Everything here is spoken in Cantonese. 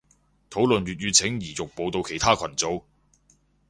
討論粵語請移玉步到其他群組